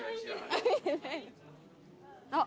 あっ。